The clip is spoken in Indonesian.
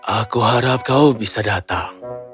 aku harap kau bisa datang